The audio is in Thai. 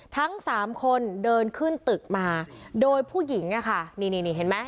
ทั้งสามคนเดินขึ้นตึกมาโดยผู้หญิงอะค่ะนี่นี่เห็นไหม